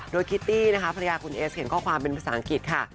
โดยคิตตี้นะคะภรรยาคุณเอสเขียนข้อความเป็นภาษาอังกฤษค่ะ